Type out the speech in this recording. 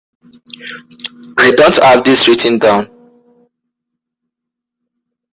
I don't have this written down